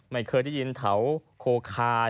ไม่เคยได้ยินแถวโคคา